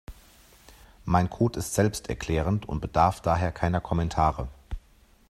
Mein Code ist selbsterklärend und bedarf daher keiner Kommentare.